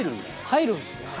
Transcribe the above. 入るんですね。